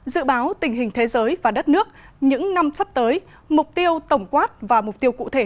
dự báo tình hình thế giới và đất nước những năm sắp tới mục tiêu tổng quát và mục tiêu cụ thể